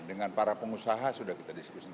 dengan para pengusaha sudah kita diskusikan